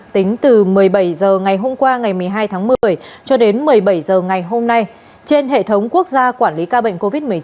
tính từ một mươi bảy h ngày hôm qua ngày một mươi hai tháng một mươi cho đến một mươi bảy h ngày hôm nay trên hệ thống quốc gia quản lý ca bệnh covid một mươi chín